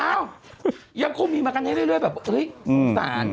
อ้าวยังคงมีมากันให้เรื่อยแบบสงสาร